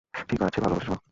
ঠিক আছে ভালোবাসি সোনা!